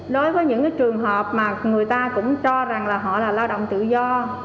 đối với những trường hợp mà người ta cũng cho rằng là họ là lao động tự do